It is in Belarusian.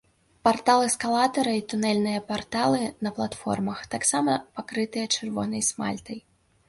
Партал эскалатара і тунэльныя парталы на платформах таксама пакрытыя чырвонай смальтай.